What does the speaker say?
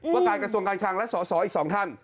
ว่ากายกระทรวงการครางรัฐสอบีและศรออีก๒ท่าน